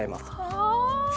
ああ！